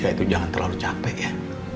itu jangan terlalu capek ya